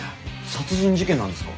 殺人事件なんですか？